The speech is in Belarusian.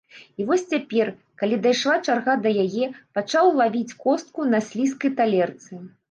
І вось цяпер, калі дайшла чарга да яе, пачаў лавіць костку на слізкай талерцы.